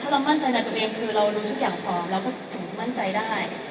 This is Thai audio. เรามั่นใจในตัวเองคือเรารู้ทุกอย่างพร้อมเราก็ถึงมั่นใจได้